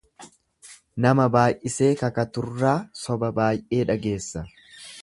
Nama baay'isee kakaturraa soba baay'ee dhageessa.